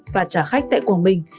và trả khách tại quảng bình